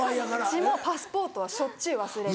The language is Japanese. うちもパスポートはしょっちゅう忘れて。